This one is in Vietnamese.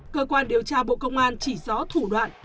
cơ quan điều tra bộ công an chỉ rõ thủ đoạn